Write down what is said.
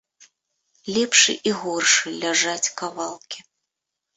Лепшы і горшы ляжаць кавалкі.